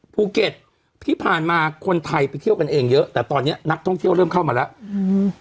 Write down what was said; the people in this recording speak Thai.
ภูเก็ตที่ผ่านมาคนไทยไปเที่ยวกันเองเยอะแต่ตอนเนี้ยนักท่องเที่ยวเริ่มเข้ามาแล้วอืม